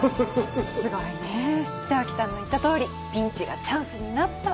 すごいねぇ北脇さんの言った通りピンチがチャンスになった。